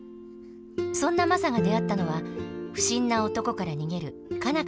そんなマサが出会ったのは不審な男から逃げる佳奈